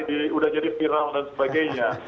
sudah jadi viral dan sebagainya